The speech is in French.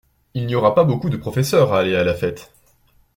Il n’y aura pas beaucoup de professeurs à aller à la fête.